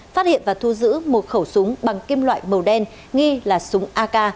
phát hiện và thu giữ một khẩu súng bằng kim loại màu đen nghi là súng ak